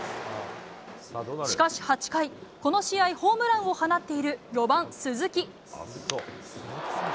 しかし、８回この試合ホームランを放っている４番、鈴木。